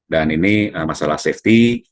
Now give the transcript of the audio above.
dan ini masalah safety